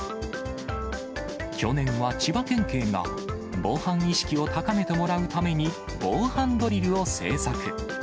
去年は千葉県警が、防犯意識を高めてもらうために、防犯ドリルを製作。